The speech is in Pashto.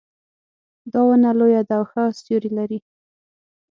دا ونه لویه ده او ښه سیوري لري